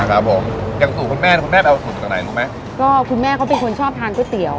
ครับผมอย่างสูตรคุณแม่คุณแม่ไปเอาสูตรมาจากไหนรู้ไหมก็คุณแม่เขาเป็นคนชอบทานก๋วยเตี๋ยว